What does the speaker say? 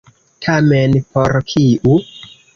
Tamen por kiu?